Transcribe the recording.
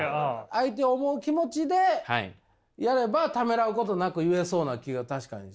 相手を思う気持ちでやればためらうことなく言えそうな気は確かに。